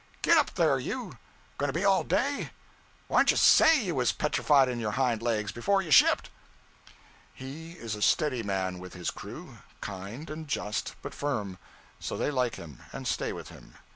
'_Git _up there you! Going to be all day? Why d'n't you _say _you was petrified in your hind legs, before you shipped!' He is a steady man with his crew; kind and just, but firm; so they like him, and stay with him.